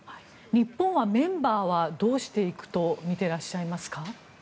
日本はメンバーはどうしていくとみていらっしゃいますか？